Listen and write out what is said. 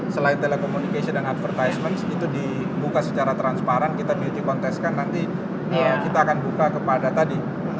selain telecommunication dan advertisement itu dibuka secara transparan kita beauty contest kan nanti kita akan buka kepada tadi